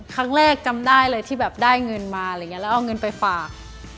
ครั้งแรกจำได้เลยที่ได้เงินมาเอาเงินไปฝาก